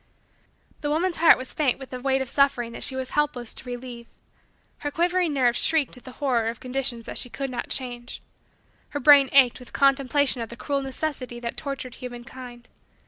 The woman's heart was faint with the weight of suffering that she was helpless to relieve. Her quivering nerves shrieked with the horror of conditions that she could not change. Her brain ached with contemplation of the cruel necessity that tortured humankind.